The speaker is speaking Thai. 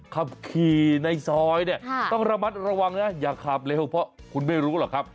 ขับขี่ในซอยเนี่ยต้องระมัดระวังนะอย่าขับเร็วเพราะคุณไม่รู้หรอกครับ